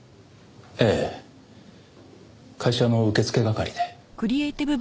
ええ会社の受付係で。